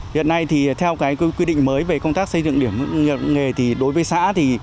hiện nay thì theo cái quy định mới về công tác xây dựng điểm nghề thì đối với xã thì